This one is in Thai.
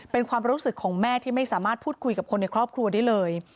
เป็นความรู้สึกของแม่ที่ไม่สามารถพูดคุยกับคนในครอบครัวได้เลย